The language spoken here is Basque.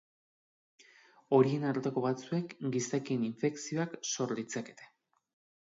Horien arteko batzuek gizakien infekzioak sor ditzakete.